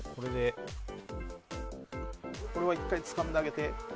これは１回つかんであげて。